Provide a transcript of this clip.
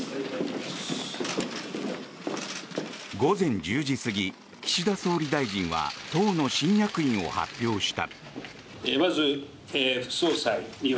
午前１０時過ぎ岸田総理大臣は党の新役員を発表した。